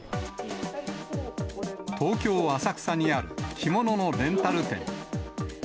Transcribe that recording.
東京・浅草にある着物のレンタル店。